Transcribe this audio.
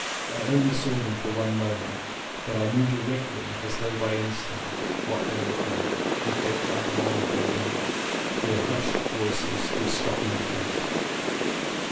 I only saw them for one moment; but I knew directly, as though by instinct, what they were at, with their 234 LLEWELLYN POWYS oblong burden, their hushed voices, their stockinged feet.